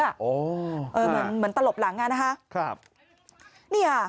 เหมือนตลบหลังนะฮะ